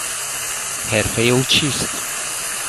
حرفهی او چیست؟